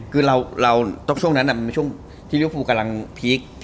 คือเราต้องช่วงนั้นอ่ะมันช่วงที่ยุคฟูกำลังพีค